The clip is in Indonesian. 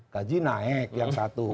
gaji naik yang satu